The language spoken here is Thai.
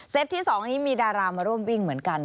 ที่๒นี้มีดารามาร่วมวิ่งเหมือนกัน